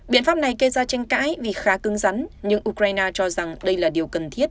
biện pháp này gây ra tranh cãi vì khá cứng rắn nhưng ukraine cho rằng đây là điều cần thiết